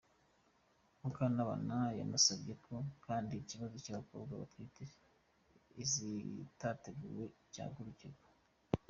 ’ Mukantabana yanasabye ko kandi ikibazo cy’abakobwa batwita izitateguwe cyahagurukirwa.